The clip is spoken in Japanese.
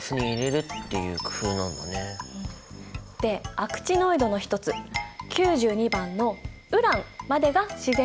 でアクチノイドの一つ９２番のウランまでが自然界に存在する元素。